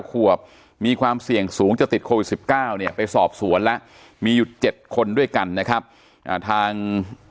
ขวบมีความเสี่ยงสูงจะติดโควิด๑๙เนี่ยไปสอบสวนแล้วมีอยู่๗คนด้วยกันนะครับทาง